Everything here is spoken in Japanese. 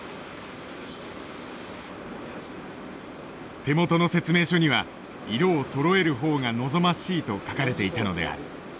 手元の説明書には「色をそろえる方が望ましい」と書かれていたのである。